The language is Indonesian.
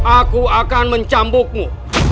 aku akan mencambukmu